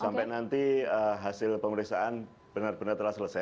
sampai nanti hasil pemeriksaan benar benar telah selesai